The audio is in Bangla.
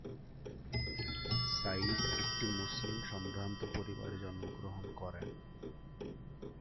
সাঈদ একটি মুসলিম সম্ভ্রান্ত পরিবারে জন্মগ্রহণ করেন।